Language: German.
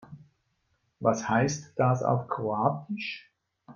Was heißt das auf Kroatisch?